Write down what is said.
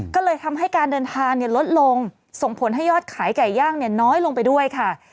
ก็เลยทำให้การเดินทางลดลงส่งผลให้ยอดขายไก่ย่างน้อยลงไปด้วยค่ะ